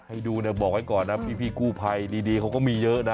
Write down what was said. ให้ดูเนี่ยบอกไว้ก่อนนะพี่กู้ภัยดีเขาก็มีเยอะนะ